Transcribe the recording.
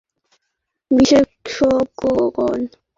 সমর বিশেষজ্ঞগণ বিস্মিত।